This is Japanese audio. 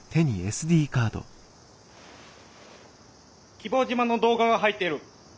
希望島の動画が入ってる。